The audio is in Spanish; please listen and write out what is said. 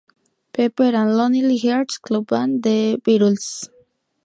Pepper and lonely hearts club band" de The Beatles.